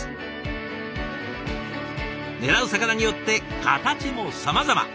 狙う魚によって形もさまざま。